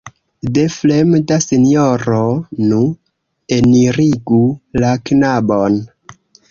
De fremda sinjoro? Nu, enirigu la knabon.